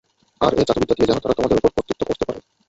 আর এ জাদুবিদ্যা দিয়ে যেন তারা তোমাদের উপর কর্তৃত্ব করতে পারে।